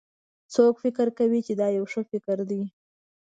څوک فکر کوي چې دا یو ښه فکر ده